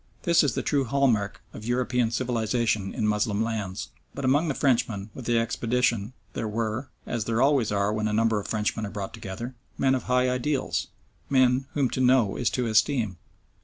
This is the true hall mark of European civilisation in Moslem lands. But among the Frenchmen with the expedition there were, as there always are when a number of Frenchmen are brought together, men of high ideals, men whom to know is to esteem.